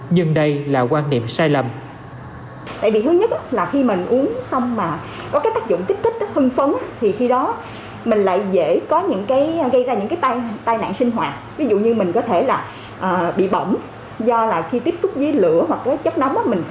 nhưng đây là quan điểm sai lầm